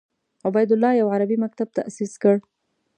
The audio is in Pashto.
عبیدالله یو عربي مکتب تاسیس کړ.